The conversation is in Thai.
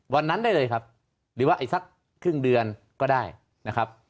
วันนั้นได้เลยครับหรือว่าอีกสักครึ่งเดือนก็ได้นะครับ